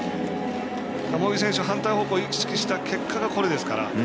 茂木選手、反対方向意識した結果がこれですから。